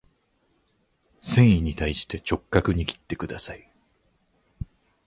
繊維に対して直角に切ってください